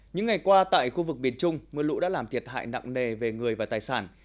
những ngày qua tại khu vực miền trung mưa lũ đã làm thiệt hại nặng nề về người và tài sản